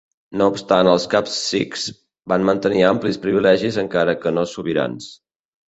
No obstant els caps sikhs van mantenir amplis privilegis encara que no sobirans.